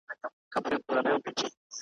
چي اغږلی یې په خټه کي عادت دی ,